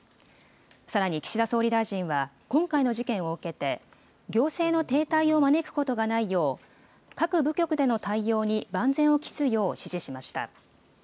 さらに岸田総理大臣は、今回の事件を受けて、行政の停滞を招くことがないよう、各部局での対応に万全を期すよう指示しました。